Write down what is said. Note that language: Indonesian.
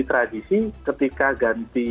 tradisi ketika ganti